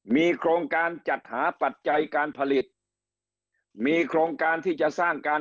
มีโครงการจัดหาปัจจัยการผลิตมีโครงการที่จะสร้างการ